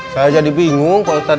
saya jadi bingung pak ustadz